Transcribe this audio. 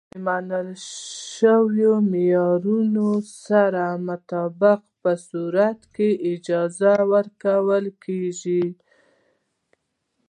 د منل شویو معیارونو سره مطابقت په صورت کې یې اجازه ورکول کېږي.